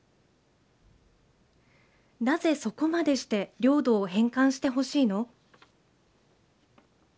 なぜ、そこまでして領土を返還してほしいの。